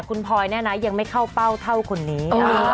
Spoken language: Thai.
คุณพอยยังไม่เข้าเป้าเท่าคนนี้